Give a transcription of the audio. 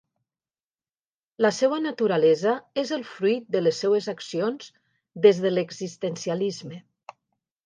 La seua naturalesa és el fruit de les seues accions, des de l'existencialisme.